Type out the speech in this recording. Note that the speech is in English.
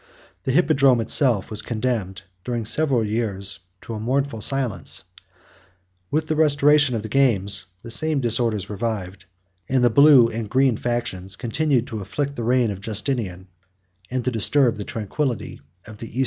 The hippodrome itself was condemned, during several years, to a mournful silence: with the restoration of the games, the same disorders revived; and the blue and green factions continued to afflict the reign of Justinian, and to disturb the tranquility of the Eastern empire.